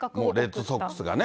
レッドソックスがね。